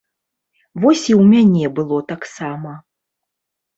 Вось і ў мяне было таксама.